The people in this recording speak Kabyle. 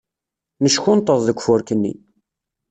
Neckunṭeḍ deg ufurk-nni.